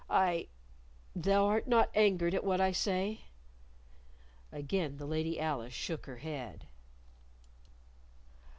I Thou art not angered at what I say?" Again the Lady Alice shook her head.